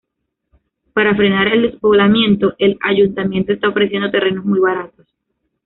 Para frenar el despoblamiento, el ayuntamiento está ofreciendo terrenos muy baratos.